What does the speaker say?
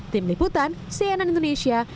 tim liputan cnn indonesia